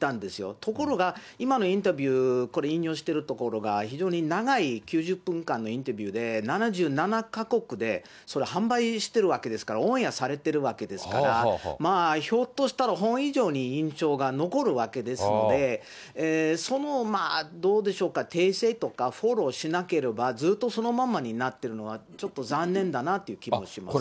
ところが今のインタビュー、これ、引用しているところが、非常に長い９０分間のインタビューで、７７か国で販売しているわけですから、オンエアされてるわけですから、ひょっとしたら本以上に印象が残るわけですので、そのどうでしょうか、訂正とかフォローしなければ、ずっとそのままになっているのは、ちょっと残念だなという気もしますね。